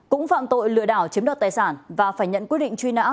cũng phạm tội lừa đảo chiếm đoạt tài sản và phải nhận quyết định truy nã